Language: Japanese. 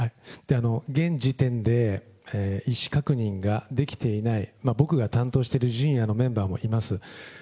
現時点で意思確認ができていない、僕が担当しているジュニアのメンバーもいます。